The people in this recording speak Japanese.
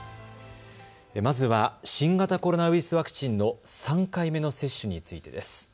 まずは新型コロナウイルスワクチンの３回目の接種についてです。